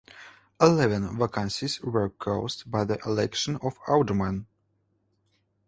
Eleven vacancies were caused by the election of aldermen.